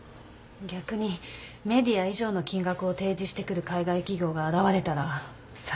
逆にＭＥＤＩＡ以上の金額を提示してくる海外企業が現れたら最悪よ。